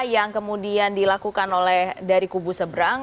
yang kemudian dilakukan oleh dari kubu seberang